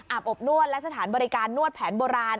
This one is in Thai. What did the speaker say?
อบนวดและสถานบริการนวดแผนโบราณ